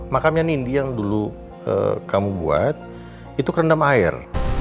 makamnya nindi yang dulu kamu buat itu kerendam air